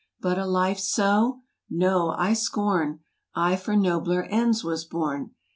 But a life so ?—no, I scorn; I for nobler ends was born.